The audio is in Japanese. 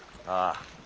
ああ。